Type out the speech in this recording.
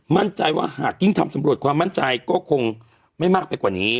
มั่นใจว่าหากยิ่งทำสำรวจความมั่นใจก็คงไม่มากไปกว่านี้